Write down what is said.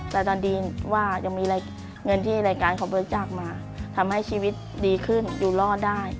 แต่ตอนนี้ว่ายังมีเงินที่รายการเขาบริจาคมาทำให้ชีวิตดีขึ้นอยู่รอดได้